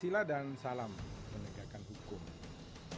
pancasila dan salam menegakkan hukum